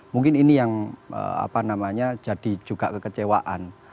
mungkin ini yang jadi juga kekecewaan